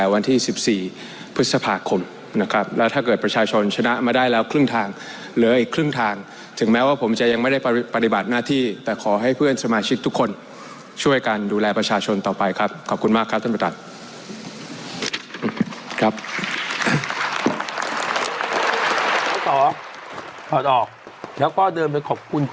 วันที่๑๔พฤษภาคมนะครับแล้วถ้าเกิดประชาชนชนะมาได้แล้วครึ่งทางเหลืออีกครึ่งทางถึงแม้ว่าผมจะยังไม่ได้ปฏิบัติหน้าที่แต่ขอให้เพื่อนสมาชิกทุกคนช่วยกันดูแลประชาชนต่อไปครับขอบคุณมากครับท่านประธาน